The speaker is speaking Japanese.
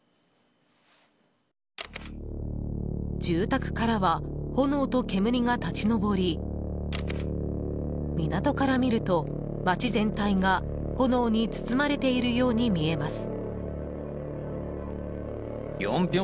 住宅からは炎と煙が立ち上り港から見ると、街全体が炎に包まれているように見えます。